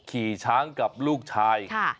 ขี่ช้างกับลูกชาย